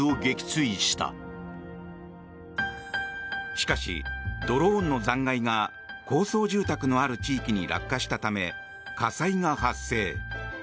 しかし、ドローンの残骸が高層住宅のある地区に落下したため火災が発生。